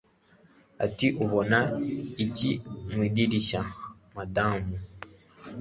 Ati Ubona iki mu idirishya madamu